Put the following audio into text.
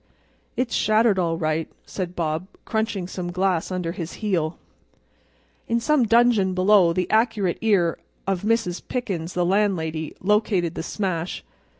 '" "It's shattered all right," said Bob, crunching some glass under his heel. In some dungeon below the accurate ear of Mrs. Pickens, the landlady, located the smash.